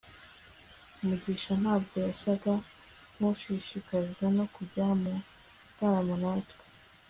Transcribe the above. mugisha ntabwo yasaga nkushishikajwe no kujya mu gitaramo natwe